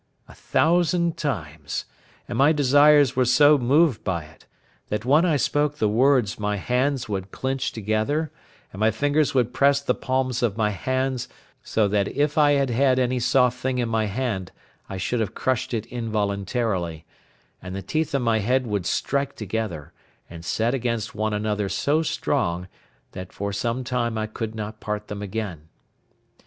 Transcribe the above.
a thousand times; and my desires were so moved by it, that when I spoke the words my hands would clinch together, and my fingers would press the palms of my hands, so that if I had had any soft thing in my hand I should have crushed it involuntarily; and the teeth in my head would strike together, and set against one another so strong, that for some time I could not part them again.